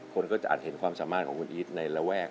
คนก็จะอาจเห็นความสามารถของคุณอีทในระแวก